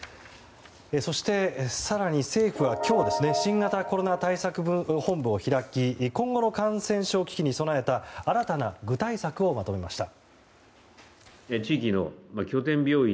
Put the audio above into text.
そして、更に政府は今日新型コロナ対策本部を開き今後の感染症危機に備えた新たな具体策をまとめました。